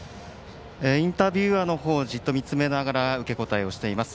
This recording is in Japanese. インタビュアーの方をじっと見つめながら受け答えをしています。